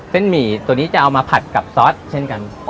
หมี่ตัวนี้จะเอามาผัดกับซอสเช่นกัน